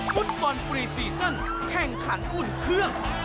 ฟุตบอลฟรีซีซั่นแข่งขันอุ่นเครื่อง